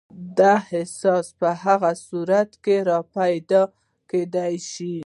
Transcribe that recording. دا احساس په هغه صورت کې راپیدا کېدای شي.